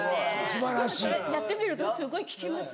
でもこれやってみるとすごい効きますよ。